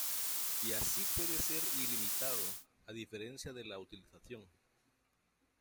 Y así puede ser ilimitado; a diferencia de la utilización.